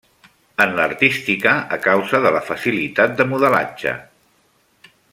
En l'artística, a causa de la facilitat de modelatge.